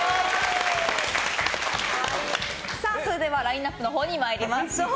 それではラインアップのほうに参りましょう。